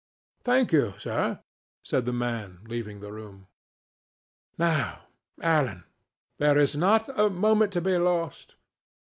"Thank you, sir," said the man, leaving the room. "Now, Alan, there is not a moment to be lost.